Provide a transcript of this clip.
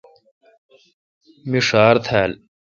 می ݭار تھال۔